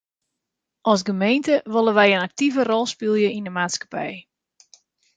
As gemeente wolle wy in aktive rol spylje yn de maatskippij.